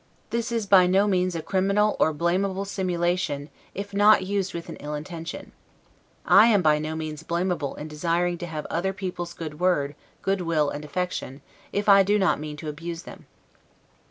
This is by no means a criminal or blamable simulation, if not used with an ill intention. I am by no means blamable in desiring to have other people's good word, good will, and affection, if I do not mean to abuse them.